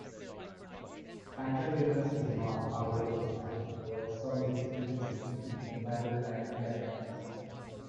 Standard Linux is not, however, designed to provide sub-millisecond precision and reliable timing guarantees.